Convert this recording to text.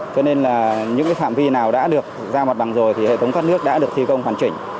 cho nên là những phạm vi nào đã được giao mặt bằng rồi thì hệ thống thoát nước đã được thi công hoàn chỉnh